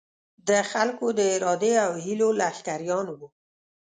د خلکو د ارادې او هیلو لښکریان وو.